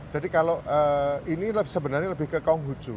jadi kalau ini sebenarnya lebih ke konghucu